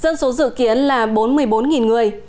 dân số dự kiến là bốn mươi bốn người